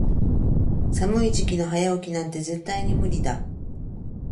寒い時期の早起きなんて絶対に無理だ。